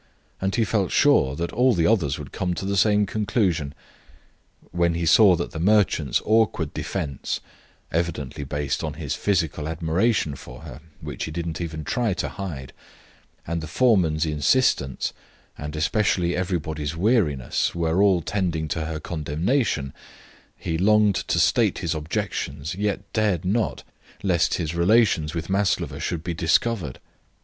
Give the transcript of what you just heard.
And he felt sure that all the others would come to the same conclusion. When he saw that the merchant's awkward defence (evidently based on his physical admiration for her, which he did not even try to hide) and the foreman's insistence, and especially everybody's weariness, were all tending to her condemnation, he longed to state his objections, yet dared not, lest his relations with Maslova should be discovered.